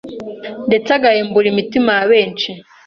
ndetse agahembura imitima ya benshi